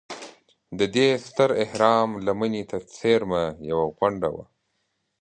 د دې ستر اهرام لمنې ته څېرمه یوه غونډه وه.